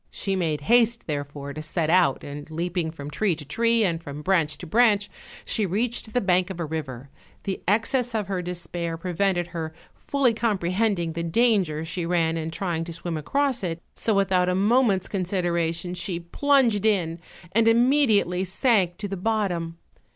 She made haste therefore to set out, and leaping from tree to tree, and from branch to branch, she reached the bank of a river; the excess of her despair prevented her fully comprehending the danger she ran in trying to swim across it, so without a moment's consideration she plunged in, and immediately sank to the bottom.